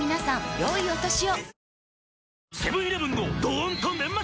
良いお年を。